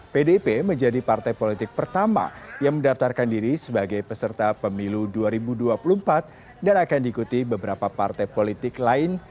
pdip menjadi partai politik pertama yang mendaftarkan diri sebagai peserta pemilu dua ribu dua puluh empat dan akan diikuti beberapa partai politik lain